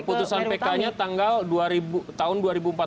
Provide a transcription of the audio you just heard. putusan pk nya tanggal tahun dua ribu empat belas